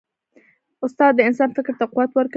استاد د انسان فکر ته قوت ورکوي.